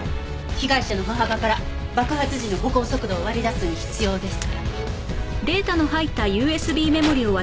被害者の歩幅から爆発時の歩行速度を割り出すのに必要ですから。